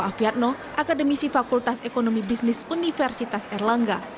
di biatno akademisi fakultas ekonomi bisnis universitas erlangga